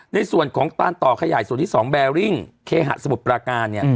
ในส่วนของตานต่อขยายส่วนที่๒แบริ่งเคหะสมุทรปราการเนี่ย